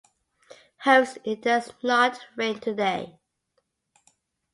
Hopes it does not rain today.